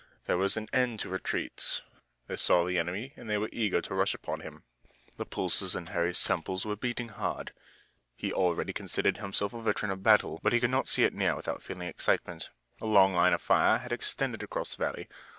There was an end to retreats. They saw the enemy and they were eager to rush upon him. The pulses in Harry's temples were beating hard. He already considered himself a veteran of battle, but he could not see it near without feeling excitement. A long line of fire had extended across the valley.